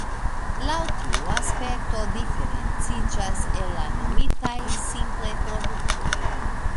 Laŭ tiu aspekto diferenciĝas el la nomitaj simple produktoj.